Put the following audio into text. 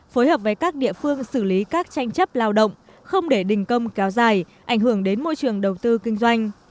phối hợp với các địa phương xử lý các tranh chấp lao động không để đình công kéo dài ảnh hưởng đến môi trường đầu tư kinh doanh